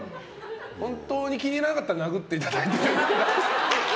本当に気に入らなかったら殴っていただいて。